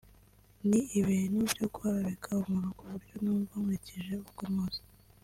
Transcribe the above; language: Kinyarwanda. ni ibintu byo guharabika umuntu ku buryo numva nkurikije uko muzi